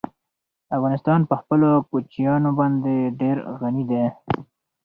افغانستان په خپلو کوچیانو باندې ډېر غني دی.